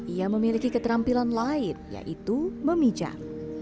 ia memiliki keterampilan lain yaitu meminjam